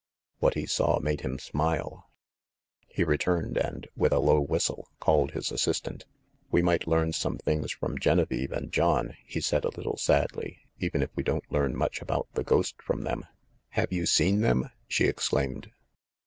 What he saw made him smile. He returned and, with a low whistle, called his assistant. "We might learn some things from Genevieve and John," he said a little sadly, "even if we don't learn much about the ghost from them." "Have you seen them ?" she exclaimed.